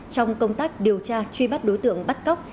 trong công tác điều tra truy bắt đối tượng bắt cóc